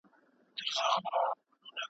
زه ولي سم نه يم ها ؟